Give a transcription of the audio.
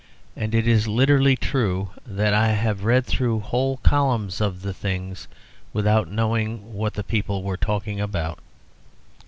And it is literally true that I have read through whole columns of the things without knowing what the people were talking about.